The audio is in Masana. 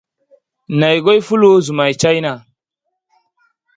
Naï goy foulou zoumay tchaïna.